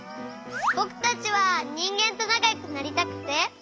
ぼくたちはにんげんとなかよくなりたくて。